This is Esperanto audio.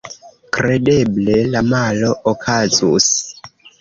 Kredeble la malo okazus.